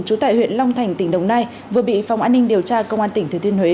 trú tại huyện long thành tỉnh đồng nai vừa bị phòng an ninh điều tra công an tỉnh thừa thiên huế